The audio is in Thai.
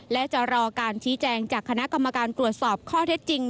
และจะรอการชี้แจงจากคณะกรรมการตรวจสอบข้อเท็จจริง